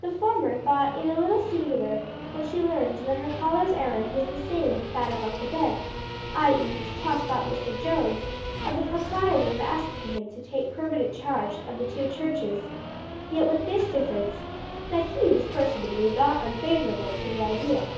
The former thought it a little singular when she learned that her caller's errand was the same with that of Uncle Ben, i.e., to talk about Mr. Jones and the propriety of asking him to take permanent charge of the two churches: yet with this difference that he was personally not unfavorable to the idea.